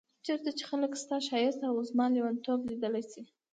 چيرته چي خلګ ستا ښايست او زما ليونتوب ليدلی شي